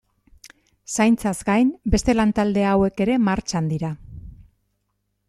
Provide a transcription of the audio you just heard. Zaintzaz gain, beste lantalde hauek ere martxan dira.